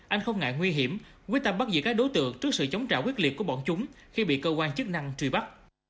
anh không ngại nguy hiểm quyết tâm bắt giữ các đối tượng trước sự chống trả quyết liệt của bọn chúng khi bị cơ quan chức năng truy bắt